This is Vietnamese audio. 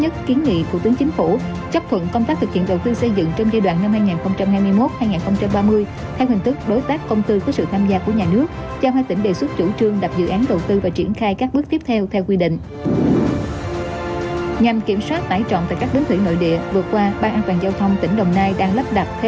tại vì không cha mẹ